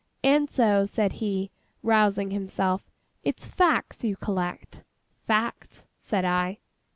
'And so,' said he, rousing himself, 'it's facts as you collect?' 'Facts,' said I.